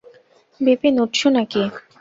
– বিপিন, উঠছ নাকি?